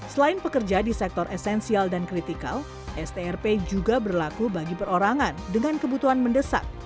selain pekerja di sektor esensial dan kritikal strp juga berlaku bagi perorangan dengan kebutuhan mendesak